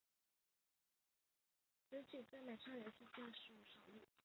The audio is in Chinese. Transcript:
此举在美少女游戏界属首例。